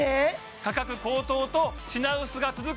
価格高騰と品薄が続く